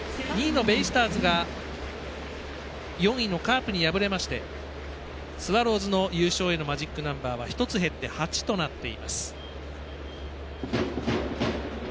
２位のベイスターズが４位のカープに敗れましてスワローズの優勝マジックナンバーは１つ減って、８となっています。